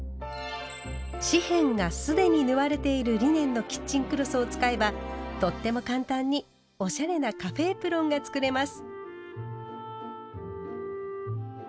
四辺が既に縫われているリネンのキッチンクロスを使えばとっても簡単におしゃれな「カフェエプロン」が作れます。